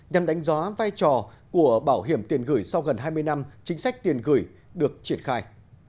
nhằm đánh giá vai trò của bảo hiểm tiền gửi sau gần hai mươi năm chính sách tiền gửi được triển khai